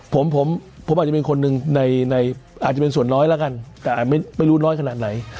ผมผมอาจจะเป็นคนหนึ่งในอาจจะเป็นส่วนน้อยแล้วกันแต่ไม่รู้น้อยขนาดไหน